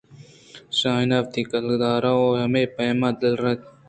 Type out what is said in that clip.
شاہین وتی کُدُوہ ءَ وَ ہمے پیم دلترک اَت